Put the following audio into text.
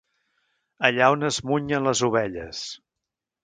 Allà on es munyen les ovelles.